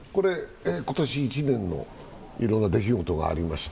今年１年のいろいろな出来事がありました。